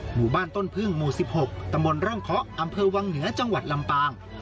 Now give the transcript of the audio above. หมู่บ้านต้นพึ่งหมู่๑๖ตำบลร่องเคาะอำเภอวังเหนือจังหวัดลำปาง